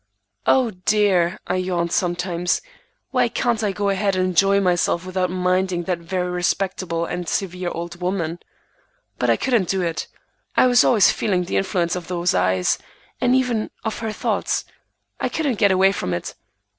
"Oh, dear!" I yawned sometimes, "why can't I go ahead and enjoy myself without minding that very respectable and severe old woman?" But I couldn't do it. I was always feeling the influence of those eyes, and even of her thoughts. I couldn't get away from it.